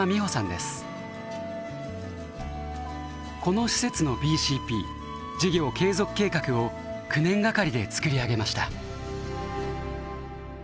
この施設のＢＣＰ事業継続計画を９年がかりで作り上げました。